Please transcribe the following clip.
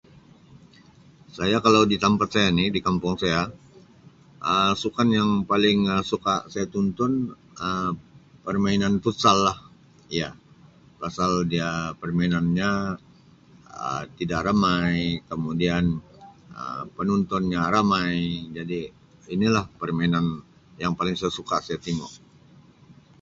Saya kalau di tempat saya ni di kampung saya Um sukan yang paling Um suka saya tonton Um permainan futsal lah iya pasal dia permainanya Um tidak ramai kemudian Um penuntunya ramai jadi inilah permainan yang paling saya suka saya tingu.